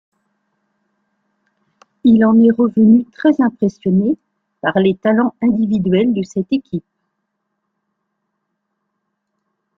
Il en est revenu très impressionné par les talents individuels de cette équipe.